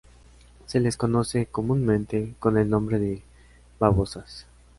Se les conoce comúnmente con el nombre de babosas.